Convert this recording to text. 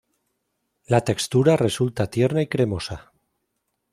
La textura resulta tierna y cremosa.